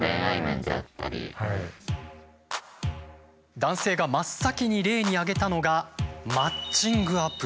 男性が真っ先に例に挙げたのがマッチングアプリ。